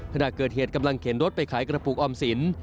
ขณะเกิดเหตุกำลังเข็นรถไปขายกระปุกออมสิน